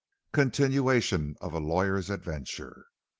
CONTINUATION OF A LAWYER'S ADVENTURE.